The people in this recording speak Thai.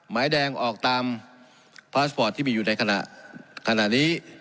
หมายแดงออกตามพาสปอร์ตที่มีอยู่ในขณะนี้